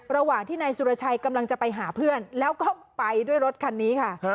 ระหว่างที่นายสุรชัยกำลังจะไปหาเพื่อนแล้วก็ไปด้วยรถคันนี้ค่ะ